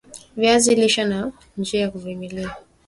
viazi lisha na njia ya kuvilima